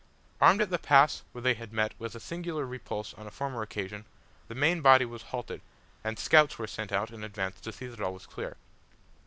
Arrived at the pass where they had met with such a singular repulse on a former occasion, the main body was halted, and scouts were sent out in advance to see that all was clear.